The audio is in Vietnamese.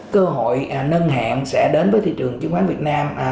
cơ hội nâng hạn sẽ đến với thị trường chứng khoán việt nam